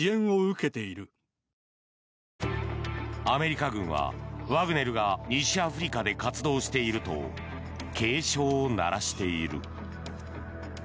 アメリカ軍はワグネルが西アフリカで活動していると警鐘を鳴らしている。